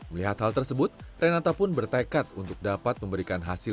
melihat hal tersebut renata pun bertekad untuk dapat memberikan hasil